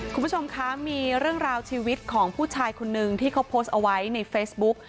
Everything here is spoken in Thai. คุณผู้ชมคะมีเรื่องราวชีวิตของผู้ชายคนนึงที่เขาโพสต์เอาไว้ในเฟซบุ๊ก